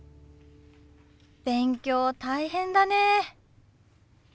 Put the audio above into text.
勉強大変だね。